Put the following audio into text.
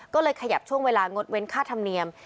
ก็เลยขยับช่วงเวลางดเว้นค่าธรรมเนียม